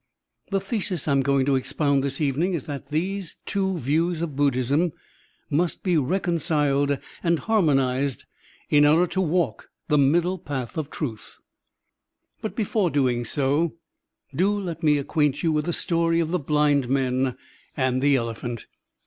♦♦♦ The thesis I am going to expound this evening is that these two views of Buddhism must be reconciled and harmonized in order to walk on the middle path of truth. But before doing so 90 Digitized by Google THE MIDDLE WAY QI let me acquaint you with the story of the blind men and the elephant.